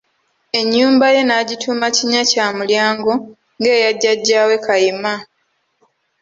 Ennyumba ye n'agituuma Kinnyakyamumulyango ng'eya jjajaawe Kayima.